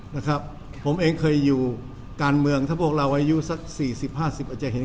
นะครับผมเองเคยอยู่การเมืองถ้าพวกเราอายุสักสี่สิบห้าสิบอาจจะเห็น